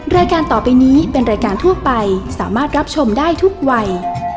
รายการต่อไปนี้เป็นรายการทั่วไปสามารถรับชมได้ทุกวัย